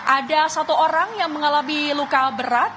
ada satu orang yang mengalami luka berat